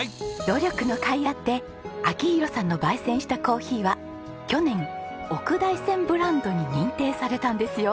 努力のかいあって明宏さんの焙煎したコーヒーは去年奥大山ブランドに認定されたんですよ。